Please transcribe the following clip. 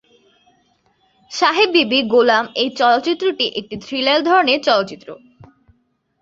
সাহেব বিবি গোলাম এই চলচ্চিত্রটি একটি থ্রিলার ধরনের চলচ্চিত্র।